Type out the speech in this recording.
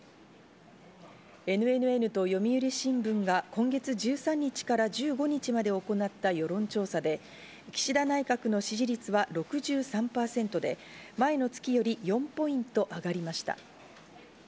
ＮＮＮと読売新聞が今月１３日から１５日まで行った世論調査で、岸田内閣の支持率は６３パーセントで、前の月より４ポイント上がりました。